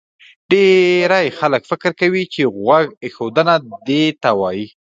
ډېری خلک فکر کوي چې غوږ ایښودنه دې ته وایي